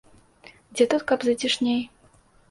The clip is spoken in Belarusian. Дзе тут каб зацішней.